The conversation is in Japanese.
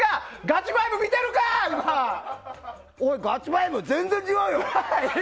ガチファイブ、全然違うよ！